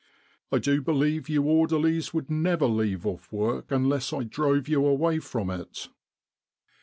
I do believe you orderlies would never leave off work unless I drove you away from it